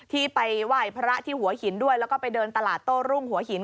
ที่ไปไหว้พระที่หัวหินด้วยแล้วก็ไปเดินตลาดโต้รุ่งหัวหิน